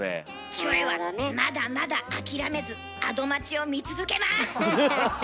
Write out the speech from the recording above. キョエはまだまだ諦めず「アド街」を見続けます！